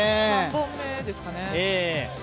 ３本目ですかね。